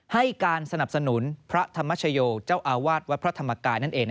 ให้การสนับสนุนพระธรรมชโยเจ้าอาวาสวัดพระธรรมกายนั่นเอง